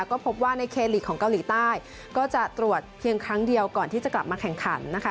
ก็พบว่าในเคลีกของเกาหลีใต้ก็จะตรวจเพียงครั้งเดียวก่อนที่จะกลับมาแข่งขันนะคะ